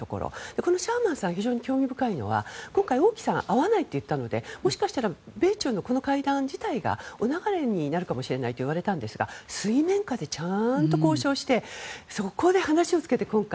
このシャーマンさんが興味深いのは今回、王毅さんが会わないと言ったのでもしかしたら米中の会談自体がお流れになるかもしれないといわれたんですが水面下でちゃんと交渉してそこで話をつけて今回